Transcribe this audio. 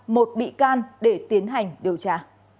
một bị can để tiến hành điều tra